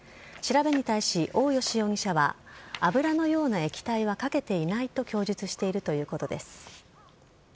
調べに対し、大吉容疑者は、油のような液体はかけていないと供述しているということです。